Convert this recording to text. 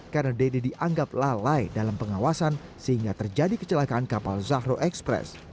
karena dedy dianggap lalai dalam pengawasan sehingga terjadi kecelakaan kapal zahro express